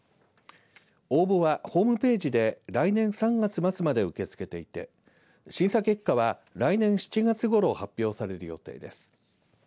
応募はホームページで来年３月末まで受け付けていて審査結果は来年７月ごろ発表される予定です。